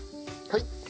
はい。